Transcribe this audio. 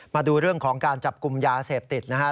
มาดูเรื่องของการจับกลุ่มยาเสพติดนะฮะ